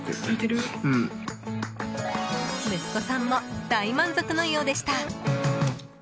息子さんも大満足のようでした。